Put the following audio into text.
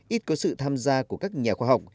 ít có sự tham gia của các nhà khoa học